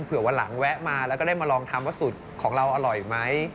วันหลังแวะมาแล้วก็ได้มาลองทำว่าสูตรของเราอร่อยไหม